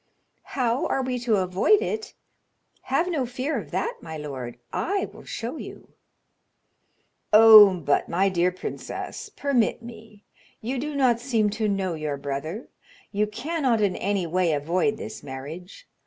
"How are we to avoid it? Have no fear of that, my lord; I will show you." "Oh! but my dear princess; permit me; you do not seem to know your brother; you cannot in any way avoid this marriage.